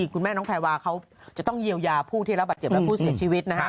คุณแม่น้องแพรวาเขาจะต้องเยียวยาผู้ที่รับบาดเจ็บและผู้เสียชีวิตนะครับ